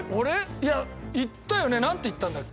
いや言ったよね？なんて言ったんだっけ？